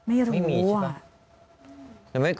อะไร